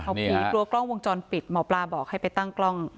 ผีกลัวกล้องวงจรปิดหมอปลาบอกให้ไปตั้งกล้อง